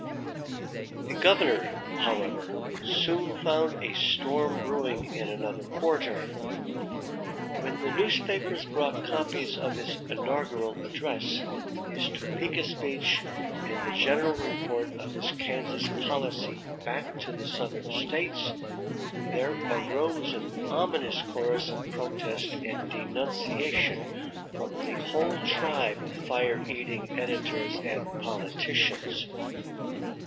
The Governor, however, soon found a storm brewing in another quarter. When the newspapers brought copies of his inaugural address, his Topeka speech, and the general report of his Kansas policy back to the Southern States, there arose an ominous chorus of protest and denunciation from the whole tribe of fire eating editors and politicians.